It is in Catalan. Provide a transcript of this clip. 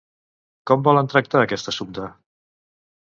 Com volen tractar aquest assumpte?